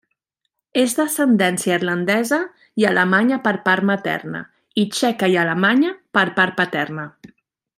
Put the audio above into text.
És d'ascendència irlandesa i alemanya per part materna, i txeca i alemanya per part paterna.